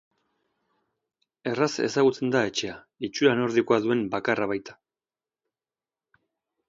Erraz ezagutzen da etxea, itxura nordikoa duen bakarra baita.